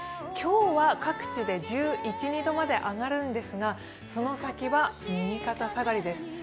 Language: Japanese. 今日は各地で１１１２度まで上がるんですが、その先は、右肩下がりです。